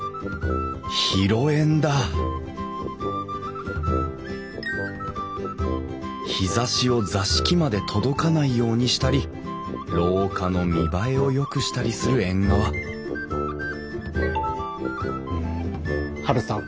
広縁だ日ざしを座敷まで届かないようにしたり廊下の見栄えをよくしたりする縁側ハルさん。